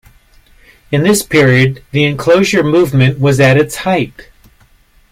In this period, the enclosure movement was at its height.